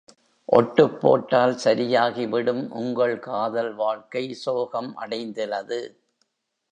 ஒட்டுப் போட்டால் சரியாகி விடும் உங்கள் காதல் வாழ்க்கை சோகம் அடைந்திலது.